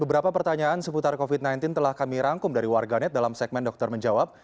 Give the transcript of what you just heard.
beberapa pertanyaan seputar covid sembilan belas telah kami rangkum dari warganet dalam segmen dokter menjawab